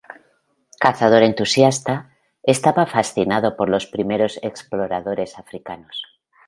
Cazador entusiasta, estaba fascinado por los primeros exploradores africanos.